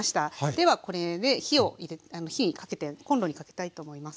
ではこれで火にかけてコンロにかけたいと思います。